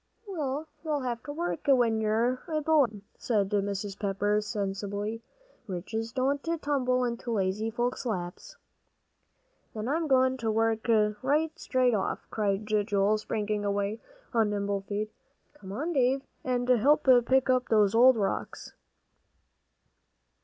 "Well, you'll have to work when you're a boy, then," said Mrs. Pepper, sensibly. "Riches don't tumble into lazy folks' laps." "Then I'm goin' to work right straight off," cried Joel, springing away on nimble feet. "Come on, Dave, and help pick those old rocks."